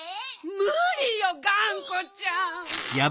むりよがんこちゃん。